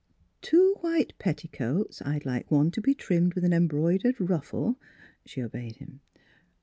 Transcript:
" Two white petticoats — I'd like one to be trimmed with an embroidered ruffle (she obeyed him).